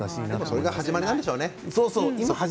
今が始まりなんでしょうね。